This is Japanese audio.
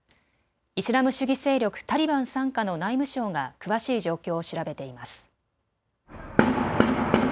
イスラム主義勢力タリバン傘下の内務省が詳しい状況を調べています。